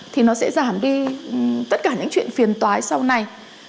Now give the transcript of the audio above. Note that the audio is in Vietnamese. thì nó sẽ giảm đi tất cả những chuyện phiền toái sau này